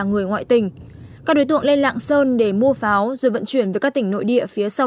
người ngoại tình các đối tượng lên lạng sơn để mua pháo rồi vận chuyển về các tỉnh nội địa phía sau